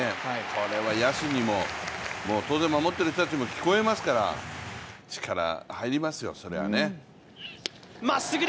これは野手にも、当然守っている人たちにも聞こえますから力入りますよ、そりゃね。